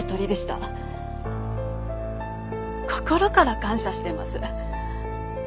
心から感謝してます。